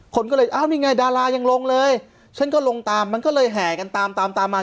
คนก็เลยอ้าวนี่ไงดารายังลงเลยฉันก็ลงตามมันก็เลยแห่กันตามตามมา